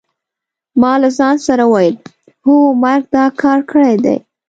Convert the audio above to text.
ما له ځان سره وویل: هو مرګ دا کار کړی دی.